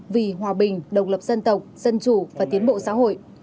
vì hòa bình độc lập dân tộc dân chủ và tiến bộ xã hội